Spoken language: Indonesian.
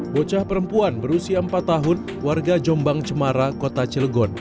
bocah perempuan berusia empat tahun warga jombang cemara kota cilegon